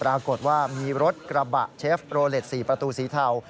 ปรากฏว่ามีรถกระบะเชฟโรเล็ต๔ประตูสีเทา